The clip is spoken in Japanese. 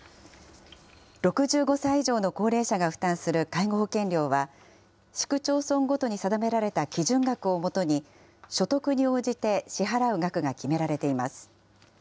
６５歳以上の高齢者が負担する介護保険料は、市区町村ごとに定められた基準額をもとに、所得に応じて支払う額が決められています。